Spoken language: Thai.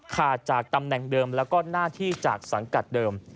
ขาดจากตำแหน่งเดิมแล้วก็หน้าที่จากสังกัดเดิม